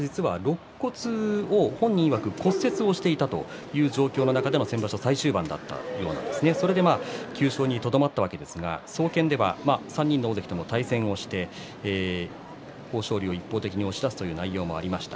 ろっ骨を骨折していたという最終盤だったんですがそれで９勝にとどまったわけですが総見では３人の大関と対戦して豊昇龍を一方的に押し出すという内容もありました。